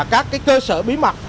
các cơ sở bí mật